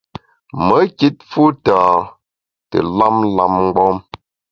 Me kit fu tâ te lam lam mgbom.